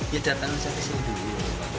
ya datang saja sendiri